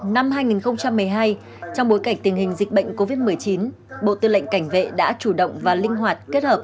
năm hai nghìn một mươi hai trong bối cảnh tình hình dịch bệnh covid một mươi chín bộ tư lệnh cảnh vệ đã chủ động và linh hoạt kết hợp